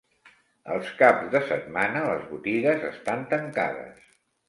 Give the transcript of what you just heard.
Els caps de setmana les botigues estan tancades.